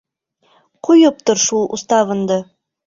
Ҡуйып тор шул уставыңды.